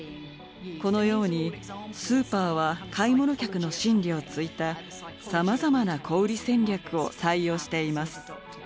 このようにスーパーは買い物客の心理を突いたさまざまな小売り戦略を採用しています。